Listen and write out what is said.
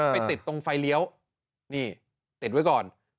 ไปติดตรงไฟเลี้ยวนี่ติดไว้ก่อน